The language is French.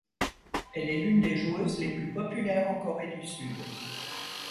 Elle est l'une des joueuses les plus populaires en Corée du Sud.